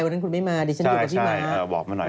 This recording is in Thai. วันนั้นคุณไม่มาคุณไม่มา